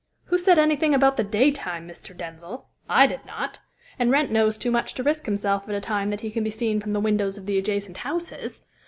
"Who said anything about the daytime, Mr. Denzil? I did not, and Wrent knows too much to risk himself at a time that he can be seen from the windows of the adjacent houses.